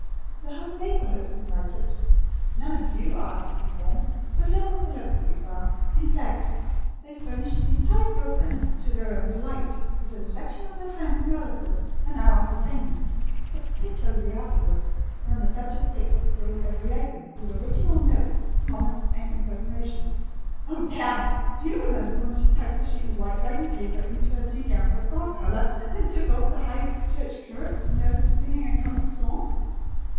The whole neighbourhood is invited. None of you are asked to perform, but local celebrities are. In fact they furnish the entire programme, to their own delight, the satisfaction of their friends and relatives, and our entertainment, particularly afterwards when the duchess takes us through every item, with original notes, comments, and impersonations. Oh, Dal! Do you remember when she tucked a sheet of white writing paper into her tea gown for a dog collar, and took off the high church curate nervously singing a comic song?